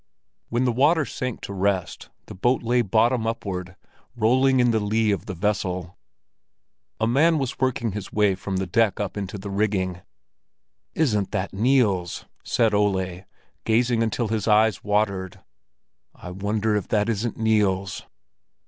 When the water sank to rest, the boat lay bottom upward, rolling in the lee of the vessel. A man was working his way from the deck up into the rigging. "Isn't that Niels?" said Ole, gazing until his eyes watered. "I wonder if that isn't Niels?"